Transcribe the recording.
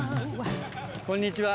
こんにちは。